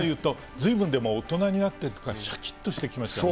ずいぶん、でも大人になってるというか、しゃきっとしてきましたよね。